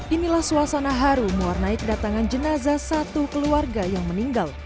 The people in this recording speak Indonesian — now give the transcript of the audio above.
inilah suasana haru mewarnai kedatangan jenazah satu keluarga yang meninggal